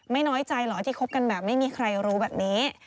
น้อยใจเหรอที่คบกันแบบไม่มีใครรู้แบบนี้